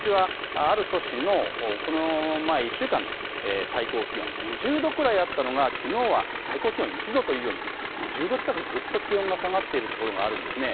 ある都市の１週間の最高気温２０度くらいあったのがきのうは最高気温１度というように１０度近くぐっと気温が下がっているところがあるんですね。